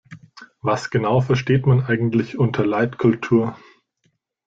Was genau versteht man eigentlich unter Leitkultur?